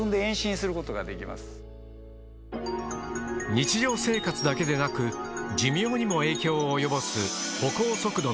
日常生活だけでなく寿命にも影響を及ぼす。